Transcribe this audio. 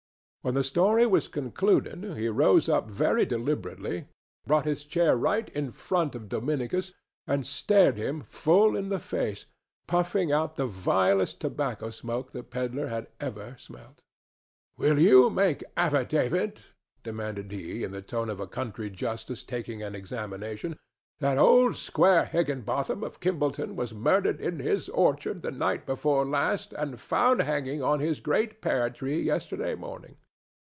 When the story was concluded, he rose up very deliberately, brought his chair right in front of Dominicus and stared him full in the face, puffing out the vilest tobacco smoke the pedler had ever smelt. "Will you make affidavit," demanded he, in the tone of a country justice taking an examination, "that old Squire Higginbotham of Kimballton was murdered in his orchard the night before last and found hanging on his great pear tree yesterday morning?"